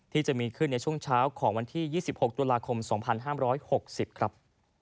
ที่จะมีขึ้นในช่วงเช้าของวันที่๒๖ตุลาคม๒๕๖๐ครับ